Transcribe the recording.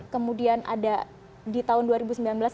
kemudian di tahun dua ribu sembilan belas ada pemilu